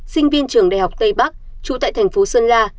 sinh viên trường đại học tây bắc trú tại thành phố sơn la